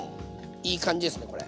いい感じですねこれ。